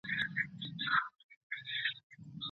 د اصل حکم اړوند ئې ځيني فقهاء د اباحت نظر لري.